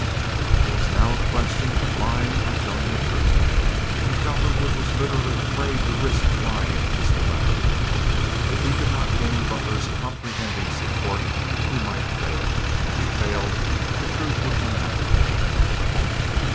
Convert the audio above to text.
It was now a question of lying or telling the truth, and Cowperwood was literally afraid to risk lying in this dilemma. If he did not gain Butler's comprehending support he might fail, and if he failed the truth would come out, anyhow.